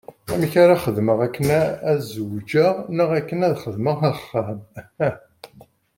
Amek ara xedmeɣ akken ad zewǧeɣ neɣ akken ad xedmeɣ axxam?